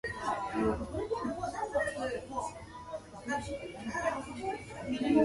Other monasteries and castles that he built are Inch Abbey and Dundrum.